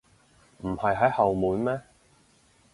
唔係喺後門咩？